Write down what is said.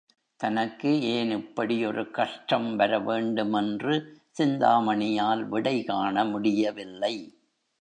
தனக்கு ஏன் இப்படி ஒரு கஷ்டம் வரவேண்டும் என்று சிந்தாமணியால் விடை காண முடியவில்லை.